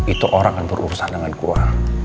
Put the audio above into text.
itu orang yang berurusan dengan kurang